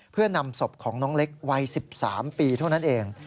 เพื่อนำศพของน้องเล็กวัย๑๓ปีเท่านั้นเอง